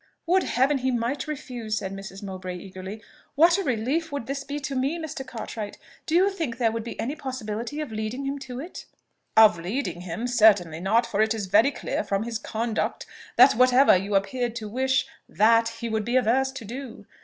"Would to Heaven he might refuse!" said Mrs. Mowbray eagerly; "what a relief would this be to me, Mr. Cartwright! Do you think there would be any possibility of leading him to it?" "Of leading him, certainly not; for it is very clear, from his conduct, that whatever you appeared to wish, that he would be averse to do.